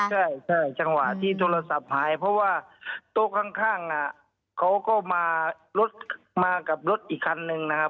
ใช่จังหวะที่โทรศัพท์หายเพราะว่าโต๊ะข้างเขาก็มารถมากับรถอีกคันนึงนะครับ